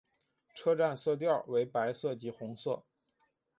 车站色调为白色及红色。